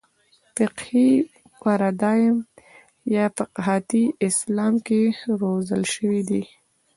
فقهي پاراډایم یا فقاهتي اسلام کې روزل شوي دي.